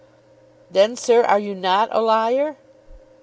"Then, sir, are you not a liar?"